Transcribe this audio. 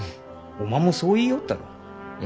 おまんもそう言いよったろう？